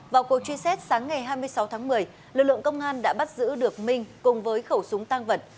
vào cuộc truy xét sáng ngày hai mươi sáu tháng một mươi lực lượng công an đã bắt giữ được minh cùng với khẩu súng tăng vật